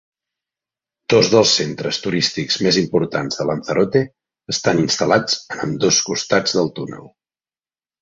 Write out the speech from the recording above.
Dos dels centres turístics més importants de Lanzarote estan instal·lats en ambdós costats del túnel.